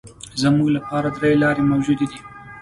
زموږ لپاره درې لارې موجودې دي.